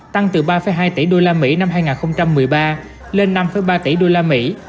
tăng từ ba hai tỷ đô la mỹ năm hai nghìn một mươi ba lên năm ba tỷ đô la mỹ